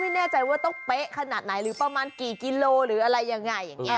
ต้องถ่ายแบบเป๊้๊เป๊้๊เลยไหมพอมันกิโลหรืออะไรยังไง